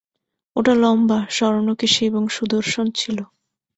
ওটা লম্বা, স্বর্ণকেশী এবং সুদর্শন ছিল।